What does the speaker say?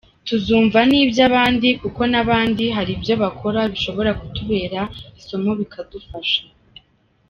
Tuzumva n’iby’abandi kuko n’abandi hari ibyo bakora bishobora kutubera isomo bikadufasha.